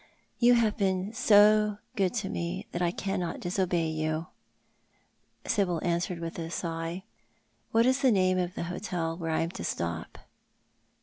" You have been so good to me that I cannot disobey you," Sibyl answered, with a sigh. " What is the name of the hotel where I am to stop